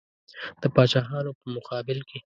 د پاچاهانو په مقابل کې.